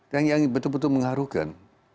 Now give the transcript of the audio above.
dan yang betul betul mengharukan